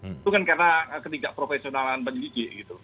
itu kan karena ketidakprofesionalan penyidik gitu